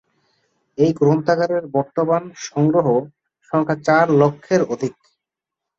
এই গ্রন্থাগারের বর্তমান সংগ্রহ সংখ্যা চার লক্ষের অধিক।